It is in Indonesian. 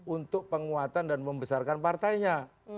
untuk penguatan dan membesarkan partainya